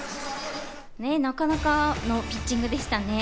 なかなかのピッチングでしたね。